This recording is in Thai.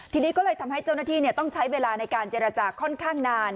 ทีนี้ก็เลยทำให้เจ้าหน้าที่ต้องใช้เวลาในการเจรจาค่อนข้างนาน